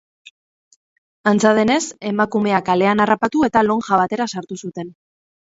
Antza denez, emakumea kalean harrapatu eta lonja batera sartu zuten.